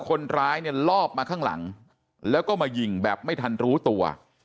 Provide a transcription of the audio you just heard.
คนร้ายเนี่ยลอบมาข้างหลังแล้วก็มายิงแบบไม่ทันรู้ตัว